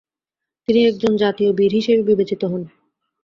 তিনি একজন জাতীয় বীর হিসেবে বিবেচিত হন।